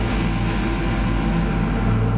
aku mau ke rumah